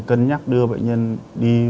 cân nhắc đưa bệnh nhân đi